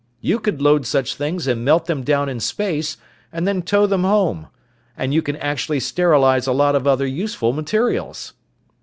You could load such things and melt them down in space and then tow them home. And you can actually sterilize a lot of other useful materials!"